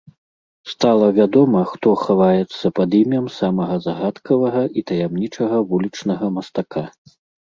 Стала вядома, хто хаваецца пад імем самага загадкавага і таямнічага вулічнага мастака.